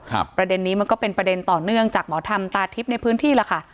ประเด็นนี้มันก็เป็นประเด็นต่อเนื่องจากหมอธรรมตาทิพย์ในพื้นที่ล่ะค่ะ